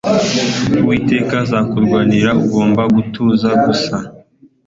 uwiteka azakurwanirira. ugomba gutuza gusa